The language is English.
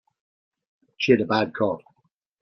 She had a bad cough.